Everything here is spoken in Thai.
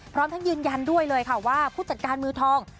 พร้อมทั้งยืนยันด้วยเลยค่ะว่าผู้จัดการมือทอง